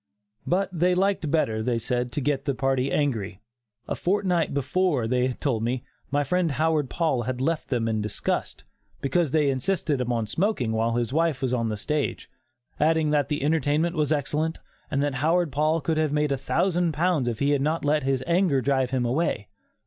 But they liked better, they said, to get the party angry. A fortnight before, they told me, my friend Howard Paul had left them in disgust, because they insisted upon smoking while his wife was on the stage, adding that the entertainment was excellent and that Howard Paul could have made a thousand pounds if he had not let his anger drive him away.